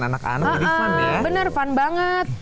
anak anak jadi fun ya benar fun banget